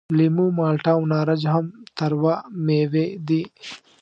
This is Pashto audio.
لیمو، مالټه او نارنج هم تروه میوې دي.